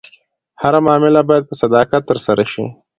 هره معامله باید په صداقت ترسره شي.